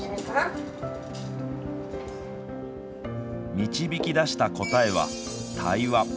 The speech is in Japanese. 導き出した答えは、対話。